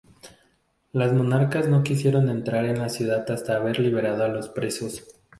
Los monarcas no quisieron entrar en la ciudad hasta haber liberado a los presos.